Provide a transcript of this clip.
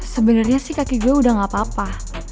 sebenarnya sih kaki gue udah gak apa apa